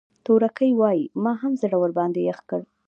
تورکى وايي مام زړه ورباندې يخ کړ.